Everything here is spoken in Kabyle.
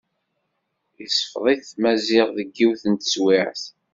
Isfeḍ-it Maziɣ deg yiwet n teswiɛt.